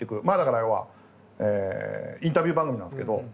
まあだから要はインタビュー番組なんですけど。